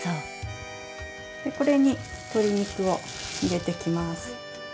これに鶏肉を入れてきます。